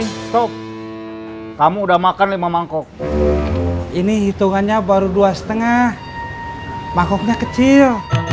hai tuh kamu udah makan lima mangkok ini hitungannya baru dua setengah mangkoknya kecil